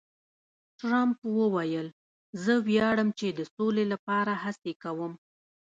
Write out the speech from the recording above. ټرمپ وویل، زه ویاړم چې د سولې لپاره هڅې کوم.